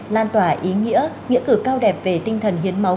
lan tỏa ý nghĩa nghĩa cử cao đẹp về tinh thần hiến máu